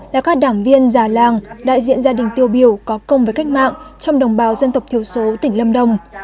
là các đảng viên già làng đại diện gia đình tiêu biểu có công với cách mạng trong đồng bào dân tộc thiểu số tỉnh lâm đồng